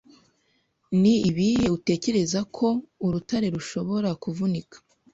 Ni ibihe utekereza ko urutare rushobora kuvunika